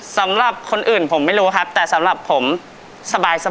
สำหรับคนอื่นผมไม่รู้ครับแต่สำหรับผมสบาย